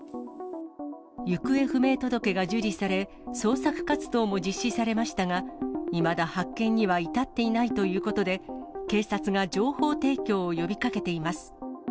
行方不明届が受理され、捜索活動も実施されましたが、いまだ発見には至っていないということで、警察が情報提供を呼びかけています。